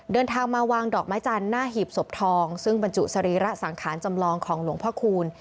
เดินทางมาวางดอกไม้จันทร์หน้าหีบศพทองซึ่งบรรจุสรีระสังขารจำลองของหลวงพ่อคูณ